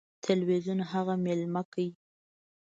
تلویزیون هغه میلمنه کړه.